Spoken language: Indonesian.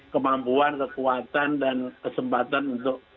kemampuan kekuatan dan kesempatan untuk